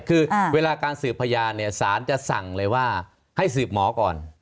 คือเวลาการสืบพยานเนี่ยสารจะสั่งเลยว่าให้สืบหมอก่อน